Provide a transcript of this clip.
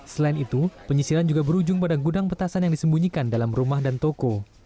selain itu penyisiran juga berujung pada gudang petasan yang disembunyikan dalam rumah dan toko